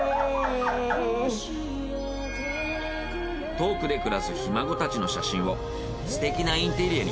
遠くで暮らすひ孫たちの写真をすてきなインテリアに。